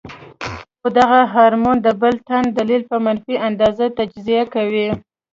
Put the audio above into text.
خو دغه هارمون د بل تن دليل پۀ منفي انداز تجزيه کوي -